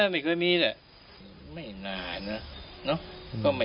ไม่เคยมีแหละไม่นานนะ